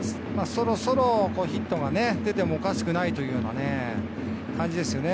そろそろヒットが出てもおかしくないというようなね、感じですよね。